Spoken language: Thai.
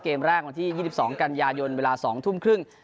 เกมแรกวันที่๒๒กันยายนเวลา๒ทุ่มครึ่ง